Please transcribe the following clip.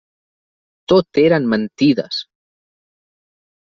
Tot eren mentides!